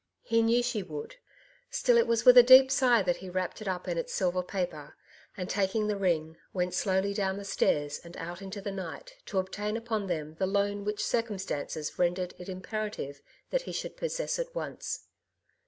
He knew she would. Still it was with a deep sigh that he wrapped it up in its silver paper, and taking the ring, went slowly down the stairs and out into the night, to obtain upon them the loan which circumstances rendered it imperative that he should possess at once.